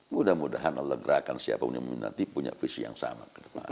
mudah mudahan allah gerakan siapa pun yang nanti punya visi yang sama